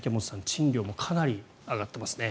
賃料もかなり上がっていますね。